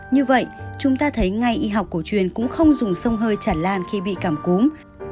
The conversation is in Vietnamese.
như vậy chúng ta thấy ngay y học cổ truyền cũng không dùng sông hơi chản lan khi bị cảm cúm